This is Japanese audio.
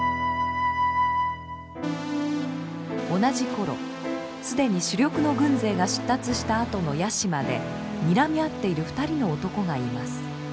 同じ頃既に主力の軍勢が出立したあとの屋島でにらみ合っている２人の男がいます。